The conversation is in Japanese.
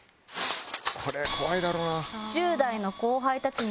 これ怖いだろうな。